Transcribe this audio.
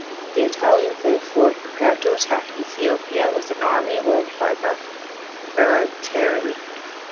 The Italians therefore prepared to attack Ethiopia with an army led by Baratieri.